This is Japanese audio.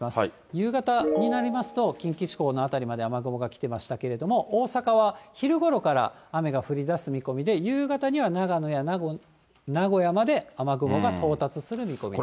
夕方になりますと、近畿地方の辺りまで雨雲が来てましたけれども、大阪は昼ごろから雨が降りだす見込みで、夕方には長野や名古屋まで雨雲が到達する見込みです。